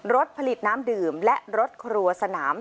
รถผลิตน้ำดื่มและรถครัวสนาม